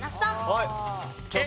はい。